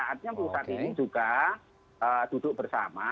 artinya perusahaan ini juga duduk bersama